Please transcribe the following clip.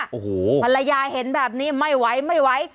โอ้โหภรรยาเห็นแบบนี้ไม่ไหวไม่ไหว